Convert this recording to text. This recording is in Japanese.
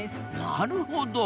なるほど。